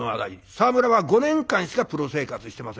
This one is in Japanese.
沢村は５年間しかプロ生活してませんから。